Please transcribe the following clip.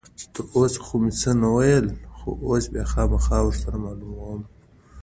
تر اوسه خو مې څه نه ویل، خو اوس یې خامخا ور سره معلوموم.